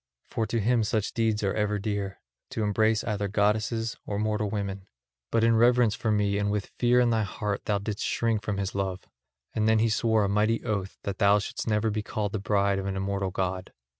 For to him such deeds are ever dear, to embrace either goddesses or mortal women. But in reverence for me and with fear in thy heart thou didst shrink from his love; and he then swore a mighty oath that thou shouldst never be called the bride of an immortal god.